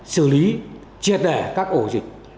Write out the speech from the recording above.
xử lý triệt đẻ các ổ dịch